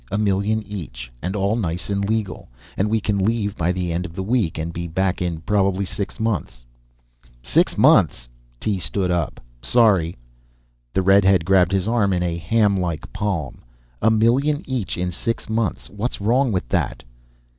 A million each, and all nice and legal. We can leave by the end of the week and be back in probably six months." "Six months!" Tee stood up. "Sorry!" The redhead grabbed his arm in a hamlike palm. "A million each in six months; what's wrong with that?"